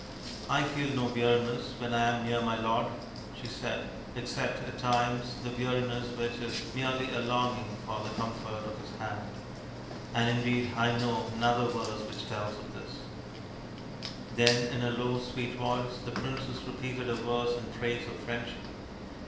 " I feel no weariness when I am near my lord," she said, " except, at times, the weariness which is merely a longing for the comfort of his hand ; and indeed I know another verse which tells of this," Then in a low sweet voice the princess repeated a verse in praise of Friendship.